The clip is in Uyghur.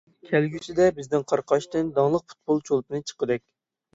كەلگۈسىدە بىزنىڭ قاراقاشتىن داڭلىق پۇتبول چولپىنى چىققۇدەك.